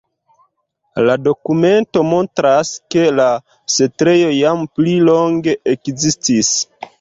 La dokumento montras, ke la setlejo jam pli longe ekzistis.